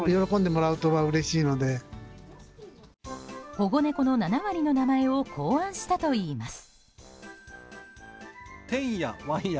保護猫の７割の名前を考案したといいます。